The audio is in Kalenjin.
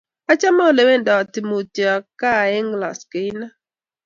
achame ole wendoti mutyo ka eng' loskeinat